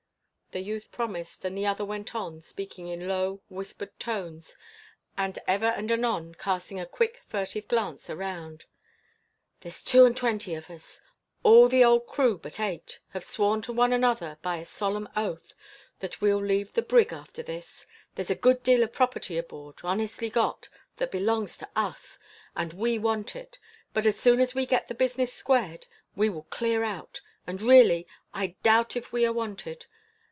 The youth promised, and the other went on, speaking in low, whispered tones, and ever and anon casting a quick, furtive glance around. "There's two and twenty of us all the old crew but eight have sworn to one another by a solemn oath that we'll leave the brig after this. There's a good deal of property aboard honestly got that belongs to us, and we want it; but, as soon as we get the business squared, we will clear out. And, really, I doubt if we are wanted.